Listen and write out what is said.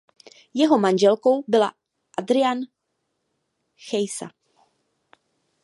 Jeho manželkou byla Adriana Chiesa.